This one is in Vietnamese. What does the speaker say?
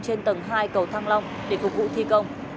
trên tầng hai cầu thăng long để phục vụ thi công